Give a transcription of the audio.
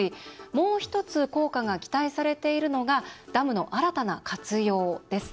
もう１つ効果が期待されているのがダムの新たな活用です。